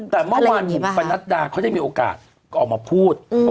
แต่เมื่อวานบุ๋มปนัดดาเขาได้มีโอกาสออกมาพูด